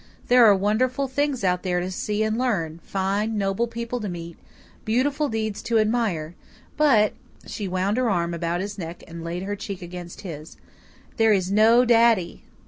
There are wonderful things out there to see and learn, fine, noble people to meet, beautiful deeds to admire; but," she wound her arm about his neck and laid her cheek against his "there is no daddy!"